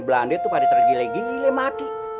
belande tuh pada tergile gile sama aki